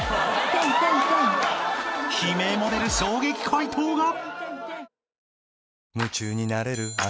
［悲鳴も出る衝撃解答が！］